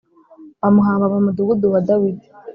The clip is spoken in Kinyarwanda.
bamuhamba mu mudugudu wa Dawidi